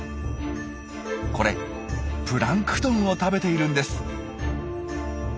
これプランクトンを食べているんです。